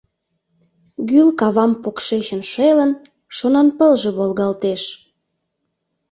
Гӱл кавам покшечын шелын, Шонанпылже волгалтеш.